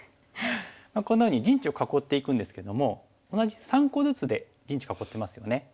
こんなふうに陣地を囲っていくんですけども同じ３個ずつで陣地囲ってますよね。